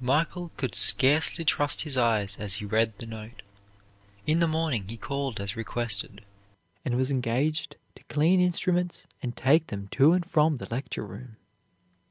Michael could scarcely trust his eyes as he read the note. In the morning he called as requested, and was engaged to clean instruments and take them to and from the lecture room.